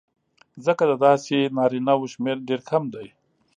ځکه د داسې نارینهوو شمېر ډېر کم دی